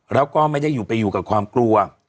แล้วก็ไม่ได้อยู่ไปอยู่กับความกลัว